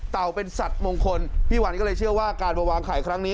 เป็นสัตว์มงคลพี่วันก็เลยเชื่อว่าการมาวางไข่ครั้งนี้